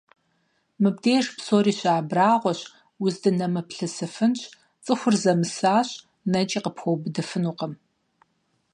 Мыбдеж псори щыабрагьуэщ, уздынэмыплъысыфынщ: цӀыхур зэмысащ, нэкӀи къыпхуэубыдыфынукъым.